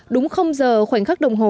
đúng không giờ khoảnh khắc đồng hồ